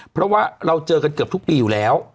เพราะว่าเราเจอกันเกือบทุกปีอยู่แล้ว